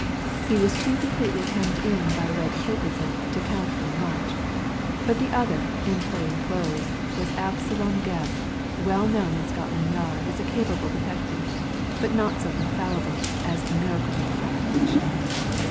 He was too completely hemmed in by red tapeism to count for much ; but the other in plain clothes was Absolom Gebb, well known in Scotland Yard as a capable detective, but not so infallible as the miracle monger of fiction.